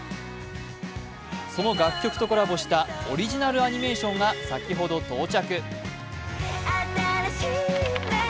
その楽曲とコラボしたオリジナルアニメーションが先ほど到着。